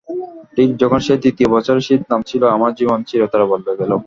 ঠিক যখন সেই তৃতীয় বছরে শীত নামছিল, আমার জীবন চিরতরে বদলে গেলো।